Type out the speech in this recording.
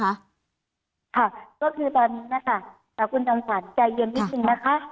ค่ะก็คือตอนนี้นะคะคุณจอมขวัญใจเย็นนิดนึงนะคะ